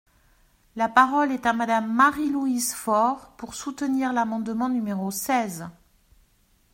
La parole est à Madame Marie-Louise Fort, pour soutenir l’amendement numéro seize.